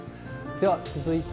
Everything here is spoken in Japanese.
では続いて、